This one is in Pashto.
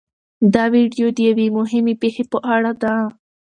دا ویډیو د یوې مهمې پېښې په اړه ده.